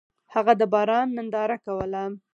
هغه د باران ننداره کوله.